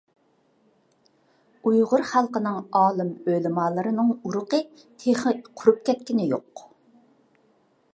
ئۇيغۇر خەلقىنىڭ ئالىم - ئۆلىمالىرىنىڭ ئۇرۇقى تېخى قۇرۇپ كەتكىنى يوق.